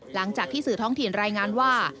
หลังจากที่สื่อท้องถิ่นรายงานว่า